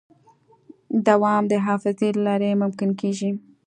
دوام د حافظې له لارې ممکن کېږي.